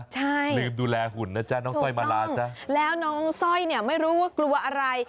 ใช่ถูกต้องแล้วน้องสร้อยเนี่ยไม่รู้ว่ากลัวอะไร